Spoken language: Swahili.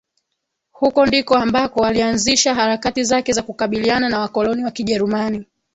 huko ndiko ambako alianzisha harakati zake za kukabiliana na wakoloni wa kijerumani